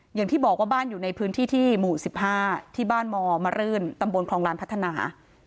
อย่างที่บอกว่าบ้านอยู่ในพื้นที่ที่หมู่๑๕ที่บ้านมรื่นตำบลคลองลานพัฒนา